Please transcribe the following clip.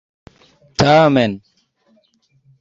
tamen